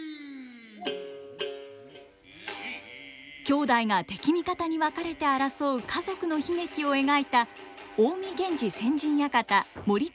兄弟が敵味方に分かれて争う家族の悲劇を描いた「近江源氏先陣館盛綱陣屋」。